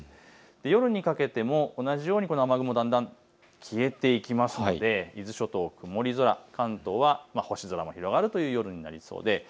夜にかけても同じようにこの雨雲だんだん消えていきますので伊豆諸島、曇り空、関東は星空も広がるという夜になりそうです。